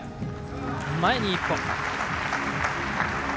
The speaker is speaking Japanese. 前に１歩。